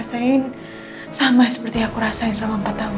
masa lama aku bisa pertahankan prestasi dengan istri